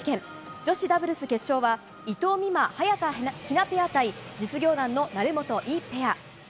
女子ダブルス決勝は、伊藤美誠・早田ひなペア対実業団の成本・井ペア。